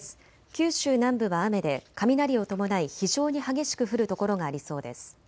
九州南部は雨で雷を伴い非常に激しく降る所がありそうです。